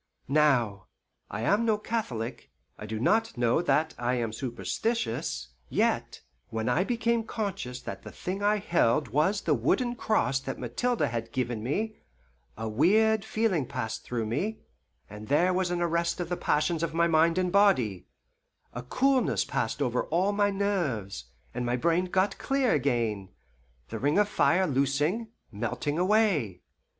Now I am no Catholic, I do not know that I am superstitious, yet when I became conscious that the thing I held was the wooden cross that Mathilde had given me, a weird feeling passed through me, and there was an arrest of the passions of mind and body; a coolness passed over all my nerves, and my brain got clear again, the ring of fire loosing, melting away.